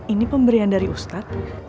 ini pemberian dari ustadz